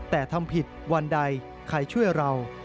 แต่ทำผิดวันใดใครช่วยเรา